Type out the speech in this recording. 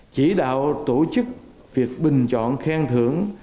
chỉ đạo tổ chức việc bình chọn khen thưởng